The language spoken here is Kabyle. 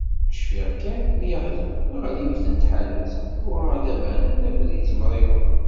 Cfiɣ kan mi aɣ-tewwi ɣer yiwet n tḥanut, tuɣ-aɣ-d abanan akked yitemṛiwen.